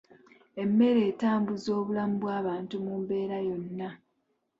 Emmere etambuza obulamu bw'abantu mu mbeera yonna